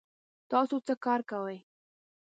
تاسو څه کار کوئ؟